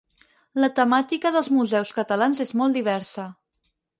La temàtica dels museus catalans és molt diversa.